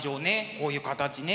こういう形ね。